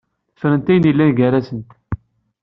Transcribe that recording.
Ffrent ayen yellan gar-asent.